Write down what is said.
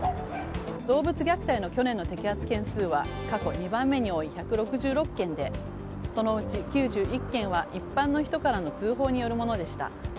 動物虐待の去年の摘発件数は過去２番目に多い１６６件で、そのうち９１件は一般の人からの通報によるものでした。